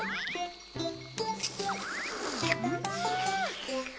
うん！